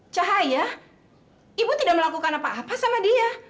cahaya ibu tidak melakukan apa apa sama dia